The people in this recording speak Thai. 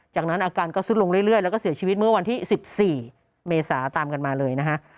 จากนั้นอาการก็สุดลงเรื่อยแล้วก็เสียชีวิตเมื่อวันที่๑๔เมษาตามกันมาเลยนะฮะ